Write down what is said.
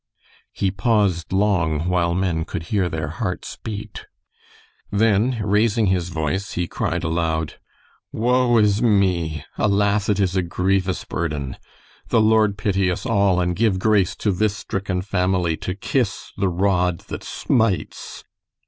He paused long, while men could hear their hearts beat. Then, raising his voice, he cried aloud: "Woe is me! Alas! it is a grievous burden. The Lord pity us all, and give grace to this stricken family to kiss the rod that smites."